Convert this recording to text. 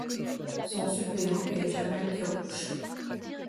Son suppléant est Djamel Kerrouche.